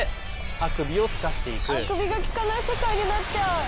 あくびがきかない世界になっちゃう。